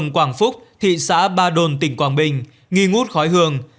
quảng phúc thị xã ba đồn tỉnh quảng bình nghi ngút khói hường